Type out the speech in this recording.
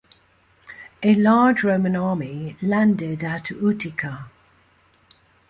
A large Roman army landed at Utica.